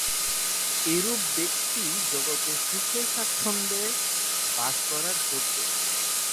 এরূপ ব্যক্তিই জগতে সুখে-স্বচ্ছন্দে বাস করিবার যোগ্য।